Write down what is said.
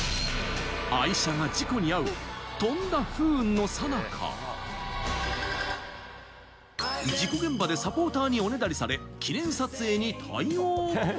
愛車が事故に遭う、とんだ不運のさなか、事故現場でサポーターにおねだりされ、記念撮影に対応。